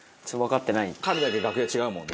彼だけ楽屋違うもんね。